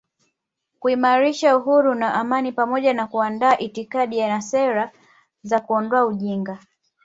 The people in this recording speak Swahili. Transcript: kuimarisha uhuru na amani pamoja na kuandaa itikadi na sera za kuondoa ujinga